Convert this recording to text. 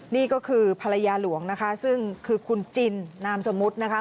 นี่ก็คือภรรยาหลวงนะคะซึ่งคือคุณจินนามสมมุตินะคะ